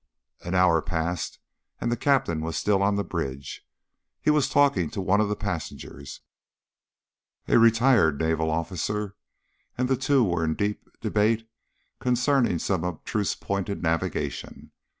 An hour passed, and the Captain was still on the bridge. He was talking to one of the passengers, a retired naval officer, and the two were deep in debate concerning some abstruse point in navigation.